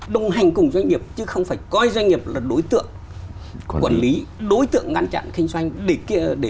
đồng hành cùng doanh nghiệp chứ không phải coi doanh nghiệp là đối tượng quản lý đối tượng ngăn chặn kinh doanh để trục lợi cá nhân